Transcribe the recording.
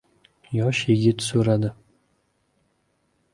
Yosh yigit so‘radi: